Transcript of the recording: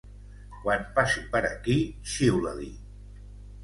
Quan passi per aquí, xiula-li.